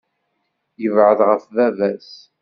Yebɛed ɣef baba-s.